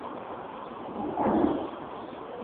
Bado, wawapo mabwana, wenye pupa na kamiyo